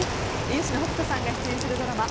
吉野北人さんが出演するドラマ